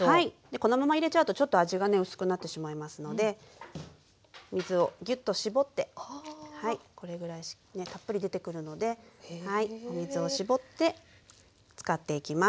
このまま入れちゃうとちょっと味がね薄くなってしまいますので水をぎゅっと絞ってこれぐらいねたっぷり出てくるのでお水を絞って使っていきます。